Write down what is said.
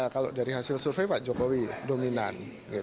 kalau dari hasil survei pak jokowi dominan